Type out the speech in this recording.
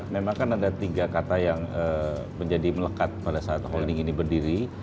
memang kan ada tiga kata yang menjadi melekat pada saat holding ini berdiri